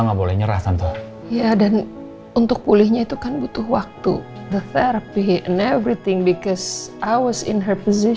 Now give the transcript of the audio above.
nggak boleh nyerah tante iya dan untuk pulihnya itukan butuh waktu the reply ganu